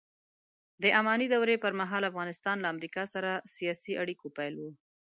د اماني دورې پرمهال افغانستان له امریکا سره سیاسي اړیکو پیل و